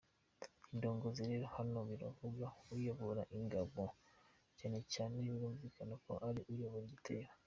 Indongozi rero hano biravuga uyoboye ingabo, cyane cyane birumvikana ko ari uyoboye igitero.